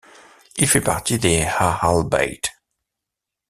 Il fait partie des Ahl al-Bayt.